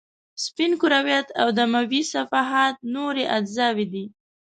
سپین کرویات او دمویه صفحات نورې اجزاوې دي.